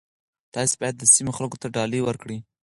تاسي باید د سیمې خلکو ته ډالۍ ورکړئ.